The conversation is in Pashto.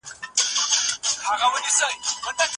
که څوک مشوره ونکړي، نوپښيمانيږي.